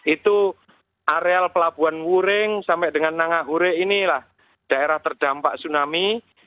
itu areal pelabuhan wuring sampai dengan nangahure inilah daerah terdampak tsunami